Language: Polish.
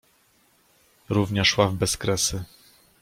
Równia szła w bezkresy.